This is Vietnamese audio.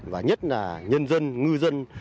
và nhất là nhân dân ngư dân